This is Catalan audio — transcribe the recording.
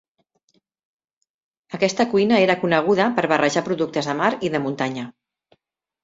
Aquesta cuina era coneguda per barrejar productes de mar i de muntanya.